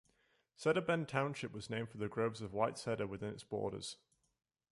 Cedarbend Township was named for the groves of white cedar within its borders.